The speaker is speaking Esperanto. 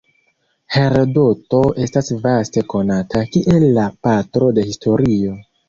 Herodoto estas vaste konata kiel la "patro de historio".